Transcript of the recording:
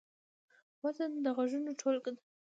وزن د غږونو ټولګه ده.